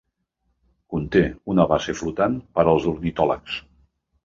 Conté una base flotant per als ornitòlegs.